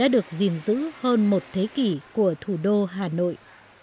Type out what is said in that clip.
được gìn giữ hơn một thế kỷ của thủ đô hà nội